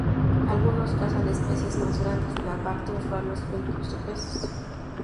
Algunos cazan especies más grandes: lagartos, ranas o incluso peces.